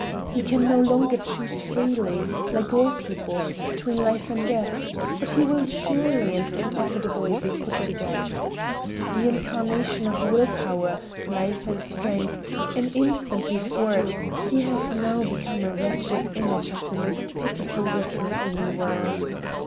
He can no longer choose freely, like all people, between life and death, but he will surely and inevitably be put to death. The incarnation of will power, life and strength an instant before, he has now become a wretched image of the most pitiful weakness in the world.